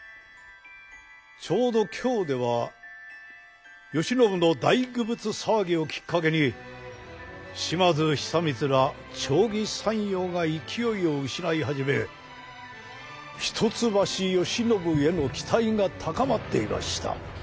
ちょうど京では慶喜の大愚物騒ぎをきっかけに島津久光ら朝議参与が勢いを失い始め一橋慶喜への期待が高まっていました。